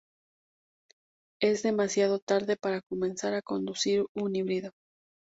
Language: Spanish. Es demasiado tarde para comenzar a conducir un híbrido.